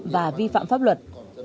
và vi phạm pháp luật